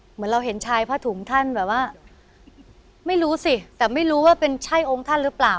เหมือนเราเห็นชายผ้าถุงท่านแบบว่าไม่รู้สิแต่ไม่รู้ว่าเป็นใช่องค์ท่านหรือเปล่า